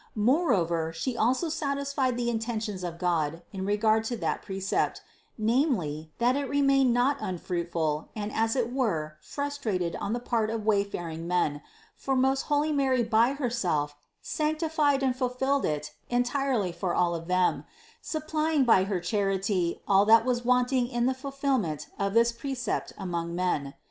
Moreover She also satisfied the intentions of God in regard to this pre cept, namely that it remain not unfruitful and as it were frustrated on the part of wayfaring men; for most holy Mary by Herself sanctified and fulfilled it entirely for all of them, supplying by her charity all that was wanting in the fulfillment of this precept among men.